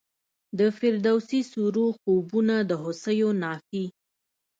د فردوسي سیورو خوبونه د هوسیو نافي